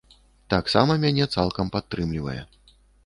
Таксама мяне цалкам падтрымлівае.